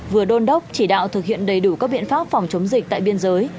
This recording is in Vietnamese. vừa đôn đốc chỉ đạo thực hiện đầy đủ các biện pháp phòng chống dịch tại biên giới